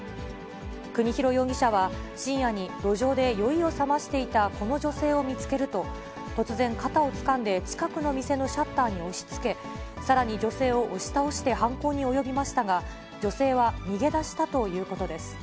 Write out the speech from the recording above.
国広容疑者は深夜に路上で酔いをさましていたこの女性を見つけると、突然、肩をつかんで近くの店のシャッターに押しつけ、さらに女性を押し倒して犯行に及びましたが、女性は逃げ出したということです。